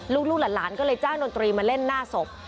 ลูกหลัดจ้างโนตรีมาเล่นหน้าศพ